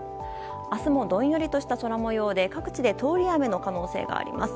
明日も、どんよりとした空模様で各地で通り雨の可能性があります。